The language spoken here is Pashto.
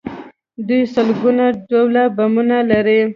دوی سلګونه ډوله بمونه لري.